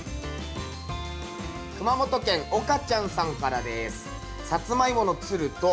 熊本県おかちゃんさんからです。